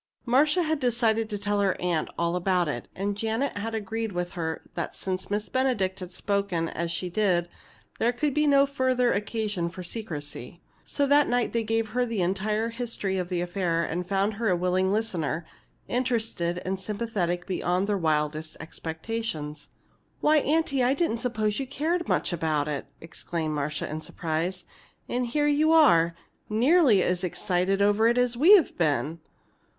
Marcia had decided to tell her aunt all about it. And Janet had agreed with her that since Miss Benedict had spoken as she did, there could be no further occasion for secrecy. So that night they gave her an entire history of the affair, and found her a willing listener, interested and sympathetic beyond their wildest expectations. "Why, Aunty, I didn't suppose you'd care much about it!" exclaimed Marcia, in surprise. "And here you are, nearly as excited over it as we've been."